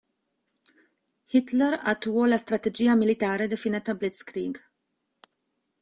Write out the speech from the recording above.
Hitler attuò la strategia militare definita blitzkrieg.